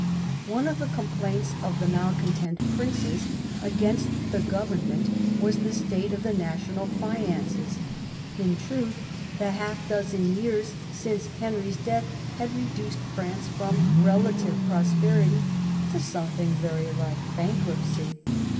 One of the complaints of the malcontent princes against the government was the state of the national finances ; in truth, the half dozen years since Henry's death had reduced France from relative prosperity to something very like bankruptcy.